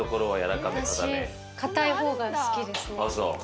硬い方が好きですね。